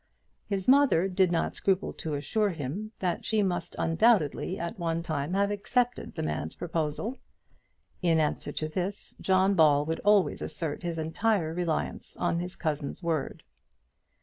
His mother did not scruple to assure him that she must undoubtedly at one time have accepted the man's proposal. In answer to this John Ball would always assert his entire reliance on his cousin's word.